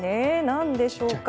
なんでしょうか。